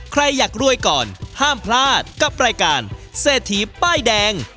ใครอยากรวยก่อนห้ามพลาดกับรายการเศรษฐีป้ายแดง